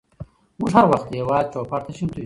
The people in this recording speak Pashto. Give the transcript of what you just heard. موږ هر وخت د هیواد چوپړ ته چمتو یوو.